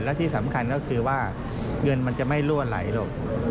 และที่สำคัญก็คือว่าเงินมันจะไม่รั่วไหลหรอก